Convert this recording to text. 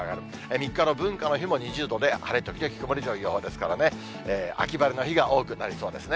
３日の文化の日も２０度で晴れ時々曇りという予報ですからね、秋晴れの日が多くなりそうですね。